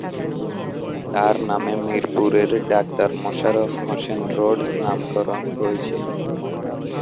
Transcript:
তার নামে মিরপুরের ‘ডাক্তার মোশাররফ হোসেন রোড’ নামকরণ হয়েছে।